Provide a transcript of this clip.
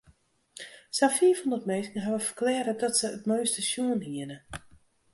Sa'n fiifhûndert minsken hawwe ferklearre dat se it meunster sjoen hiene.